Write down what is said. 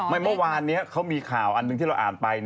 เมื่อวานนี้เขามีข่าวอันหนึ่งที่เราอ่านไป